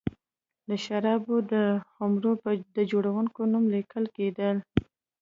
د شرابو پر خُمرو د جوړوونکي نوم لیکل کېده.